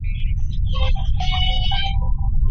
زه ښه ماشوم یم.